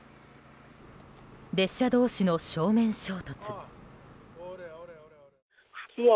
列車同士の正面衝突。